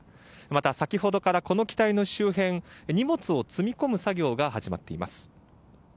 また、先ほどからこの機体の周辺で荷物を積み込む作業が始まっています。